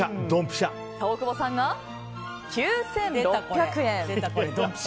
大久保さんが９６００円。